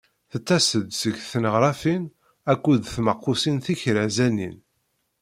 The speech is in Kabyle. Tettas-d seg tneɣrafin akked tmaqqusin tikerrazanin.